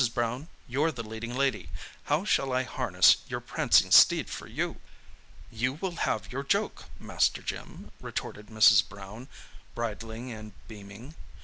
Brown—you're the leading lady. How shall I harness your prancing steed for you?" "You will have your joke, Master Jim," retorted Mrs. Brown, bridling and beaming.